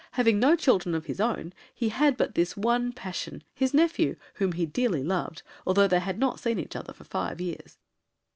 Having no children Of his own he had but this one passion— His nephew, whom he dearly loved, although They had not seen each other for five years.